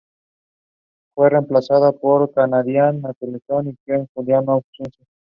Fue reemplazada por "Canadian Naturalist and Quarterly Journal of Science.